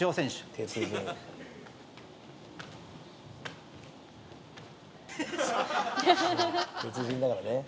鉄人だからね。